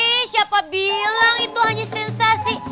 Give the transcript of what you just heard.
eh siapa bilang itu hanya sensasi